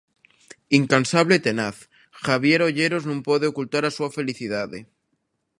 Incansable e tenaz, Javier Olleros non pode ocultar a súa felicidade.